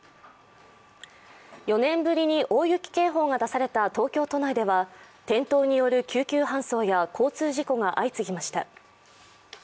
４年ぶりに大雪警報が出された東京都内では転倒による救急搬送や交通事故が相次ぎました。